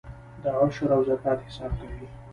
د عشر او زکات حساب کوئ؟